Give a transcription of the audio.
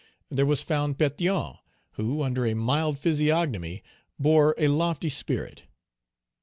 There was found Pétion, who, under a mild physiognomy, bore a lofty spirit.